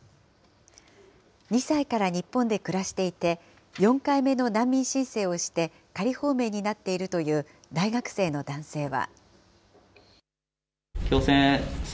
２歳から日本で暮らしていて、４回目の難民申請をして、仮放免になっているという大学生の男性は。